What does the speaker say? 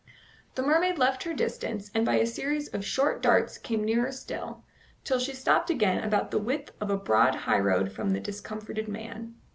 The mermaid left her distance, and by a series of short darts came nearer still, till she stopped again about the width of a broad highroad from the discomforted man.